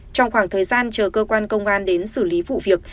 trong khoảng thời gian chờ cơ quan công an đến xử lý vụ việc